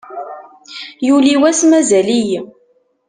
Yuli wass mazal-iyi.